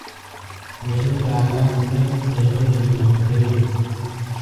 وژنه د الله بنده له ژونده بېبرخې کوي